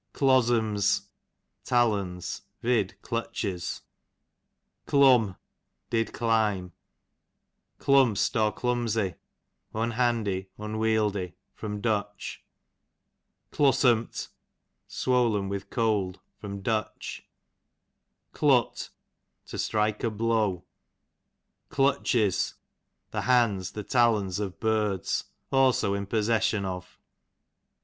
Clozzoms, tallons, vid. clutches. Clum, did climb. Clumst, 1 unhandy, unwieldy. Clumsy, J Du. Glussumt, swollen with cold. Du. Clut, to strike, a blow. Clutches, the hands, the talons of birds ; also in possession of.